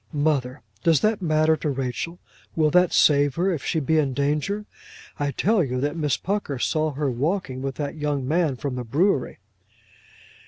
"Mother! does that matter to Rachel? Will that save her if she be in danger? I tell you that Miss Pucker saw her walking with that young man from the brewery!"